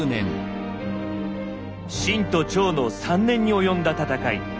秦と趙の３年に及んだ戦い。